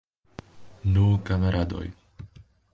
Nu, kamaradoj!